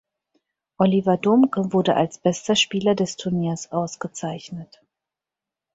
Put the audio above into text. Oliver Domke wurde als bester Spieler des Turniers ausgezeichnet.